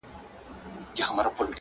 مُريد ښه دی ملگرو او که پير ښه دی~